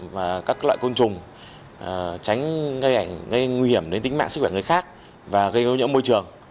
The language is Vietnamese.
bẫy côn trùng tránh gây nguy hiểm đến tính mạng sức khỏe người khác và gây ưu nhẫn môi trường